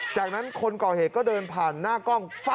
จากนั้นคนก่อเหตุก็เดินผ่านหน้ากล้อง